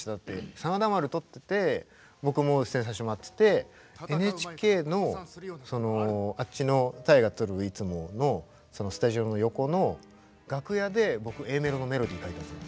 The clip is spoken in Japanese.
「真田丸」撮ってて僕も出演させてもらっててＮＨＫのあっちの大河撮るいつものスタジオの横の楽屋で僕Ａメロのメロディー書いたんですもん